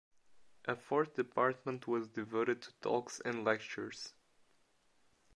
A fourth department was devoted to talks and lectures.